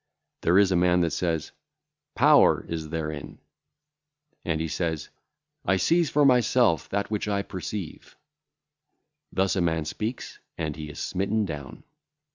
There is a man that saith, 'Power [is therein]'; and he saith, 'I seize for myself that which I perceive.' Thus a man speaketh, and he is smitten down.